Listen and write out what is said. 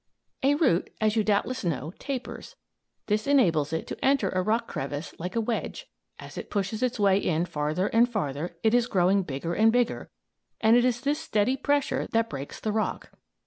A root, as you doubtless know, tapers. This enables it to enter a rock crevice like a wedge. As it pushes its way in farther and farther it is growing bigger and bigger, and it is this steady pressure that breaks the rock.